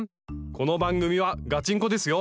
この番組はガチンコですよ！